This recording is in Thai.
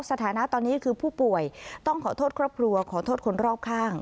สถานะตอนนี้คือผู้ป่วยต้องขอโทษครอบครัวขอโทษคนรอบข้าง